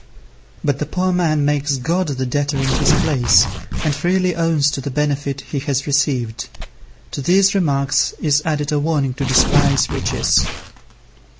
But the poor man makes God the debtor in his place, and freely owns to the benefits he has received. To these remarks is added a warning to despise riches.